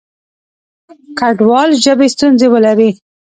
کډوال ژبې ستونزې ولري.